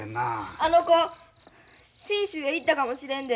あの子信州へ行ったかもしれんで。